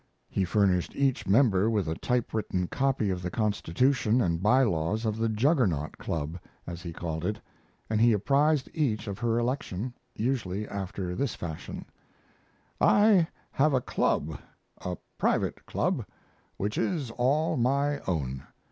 He furnished each member with a typewritten copy of the constitution and by laws of the juggernaut Club, as he called it, and he apprised each of her election, usually after this fashion: I have a club a private club, which is all my own.